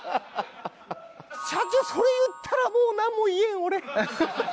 社長それ言ったらもう何も言えん俺。